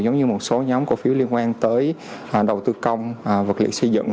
giống như một số nhóm cổ phiếu liên quan tới đầu tư công vật liệu xây dựng